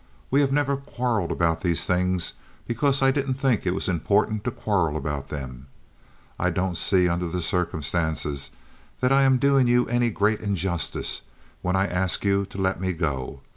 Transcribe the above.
We have never quarreled about these things, because I didn't think it was important to quarrel about them. I don't see under the circumstances that I am doing you any great injustice when I ask you to let me go.